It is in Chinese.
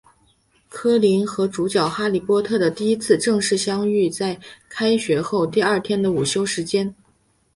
柯林与主角哈利波特的第一次正式相遇在开学后第二天的午休时间。